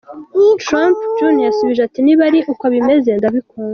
Trump Jr yasubije ati “Niba ari uko bimeze ndabikunze.